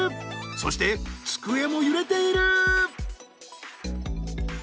そして机も揺れている！